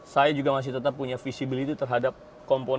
saya juga masih tetap punya visibility terhadap komponen